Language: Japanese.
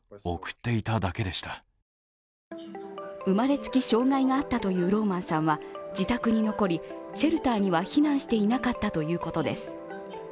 生まれつき障害があったというローマンさんは自宅に残り、シェルターには避難していなかったということです。